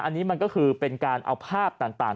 อันนี้มันก็คือเป็นการเอาภาพต่าง